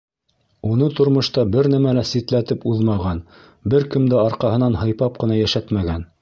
Уны тормошта бер нәмә лә ситләтеп уҙмаған, бер кем дә арҡаһынан һыйпап ҡына йәшәтмәгән.